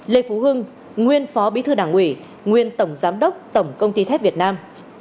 lê phú hưng nguyên phó bí thư đảng ủy nguyên tổng giám đốc tổng công ty thép việt nam